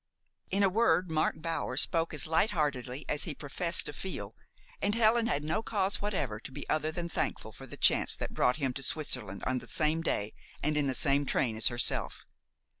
In a word, Mark Bower spoke as lightheartedly as he professed to feel, and Helen had no cause whatever to be other than thankful for the chance that brought him to Switzerland on the same day and in the same train as herself.